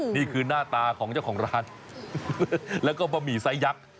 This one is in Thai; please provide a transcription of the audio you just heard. นี่คือหน้าตาของเจ้าของร้านแล้วก็บะหมี่ไซสยักษ์